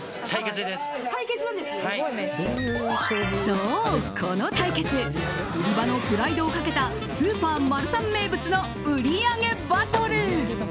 そう、この対決売り場のプライドをかけたスーパーマルサン名物の売り上げバトル。